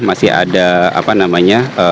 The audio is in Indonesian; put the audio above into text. masih ada apa namanya